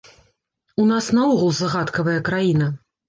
У нас наогул загадкавая краіна.